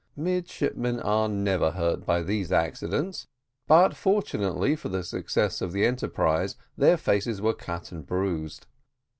Midshipmen are never hurt by these accidents, but fortunately for the success of the enterprise their faces were cut and bruised.